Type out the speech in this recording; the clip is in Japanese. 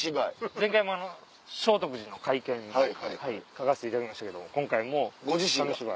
前回も聖徳寺の会見描かせていただきましたけど今回も紙芝居。